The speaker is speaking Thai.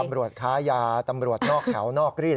ตำรวจข้ายาตำรวจนอกแขวนอกรีด